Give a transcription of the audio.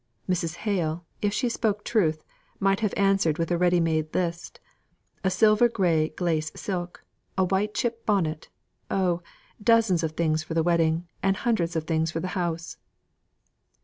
Mrs. Hale, if she spoke truth, might have answered with a ready made list, "a silver grey glacé silk, a white chip bonnet, oh! dozens of things for the wedding, and hundreds of things for the house."